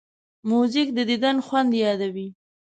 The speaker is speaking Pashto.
موزیک د دیدن خوند یادوي.